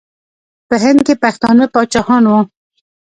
په هند کې پښتانه پاچاهان وو.